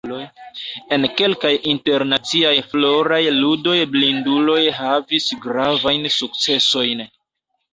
En kelkaj Internaciaj Floraj Ludoj blinduloj havis gravajn sukcesojn.